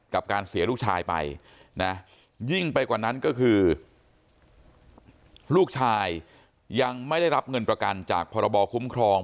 กับการเสียลูกชายไปนะยิ่งไปกว่านั้นก็คือลูกชายยังไม่ได้รับเงินประกันจากพรบคุ้มครอง